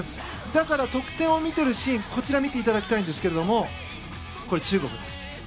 だから、得点を見ているシーンを見ていただきたいんですが中国です。